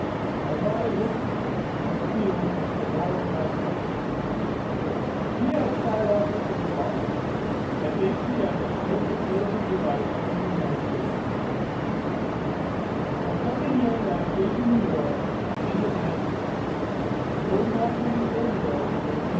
I thought it looked a field which the Lord had blessed. We had sky rockets in the Park at eight P. M. which closed the Fourth of July, 1794." A second young man came to New York in the nine ties, though not from the old world, with whom.